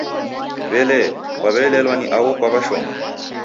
W'elee, kwaw'eelelwa ni agho kwaw'eshoma?